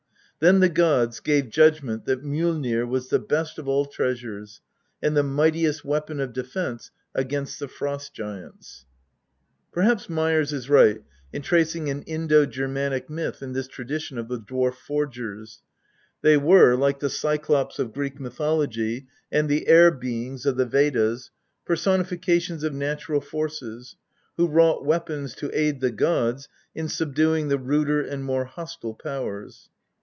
Then the gods gave judgment that Mjoilnir was the best of all treasures, and the mightiest weapon of defence against the Frost giants. Perhaps Meyers is right in tracing an Indo Germanic myth in this tradition of the dwarf forgers ; they were, like the Cyclopes of Greek mythology and the air beings of the Vedas, personifications of natural forces, who wrought weapons to aid the gods in subduing the ruder and more hostile powers.